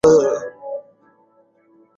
সবাইকে বাসের ভিতরে থাকতে বল।